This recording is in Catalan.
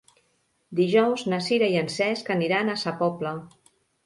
Dijous na Sira i en Cesc aniran a Sa Pobla.